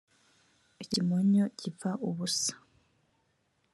ikimonyo gipfa ubusa.